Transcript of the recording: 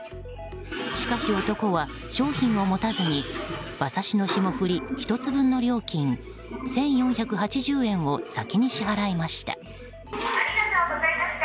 しかし男は商品を持たずに馬刺しの霜降り１つ分の料金１４８０円を先に支払いました。